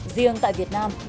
riêng tại việt nam